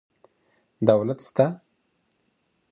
دولت سته.